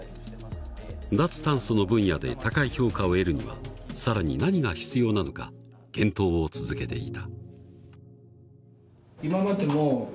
脱炭素の分野で高い評価を得るには更に何が必要なのか検討を続けていた。